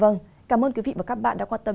vâng cảm ơn quý vị và các bạn đã quan tâm